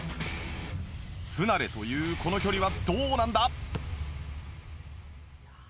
不慣れというこの距離はどうなんだ？